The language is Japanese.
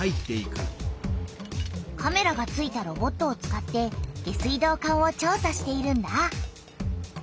カメラがついたロボットを使って下水道管を調さしているんだ。